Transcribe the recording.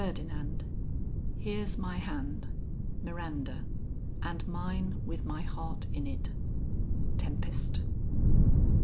_ Here's my hand. Mir. And mine with my heart in it." TEMPEST.